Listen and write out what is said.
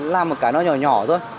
làm một cái nó nhỏ nhỏ thôi